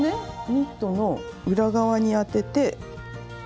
ニットの裏側にあててほら！